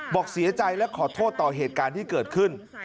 บอกเสียใจและขอโทษต่อเหตุการณ์ที่เกิดขึ้น